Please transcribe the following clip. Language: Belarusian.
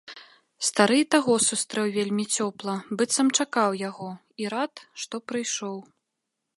Стары і таго сустрэў вельмі цёпла, быццам чакаў яго, і рад, што прыйшоў.